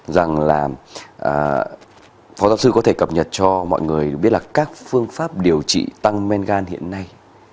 rằng là phó giáo sư có thể cập nhật cho mọi người biết là các phương pháp điều trị tăng men gan hiện nay